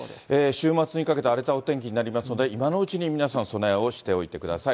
週末にかけて荒れたお天気になりますので、今のうちに皆さん、備えをしておいてください。